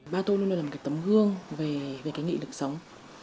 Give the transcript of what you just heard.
ba tôi luôn luôn là một cái tấm gương về cái nghị lực sống